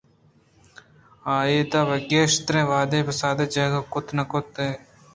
آ اِدا پہ گیشتریں وہد ءُپاسے ءَ جاگہ کُت نہ کنت اَنت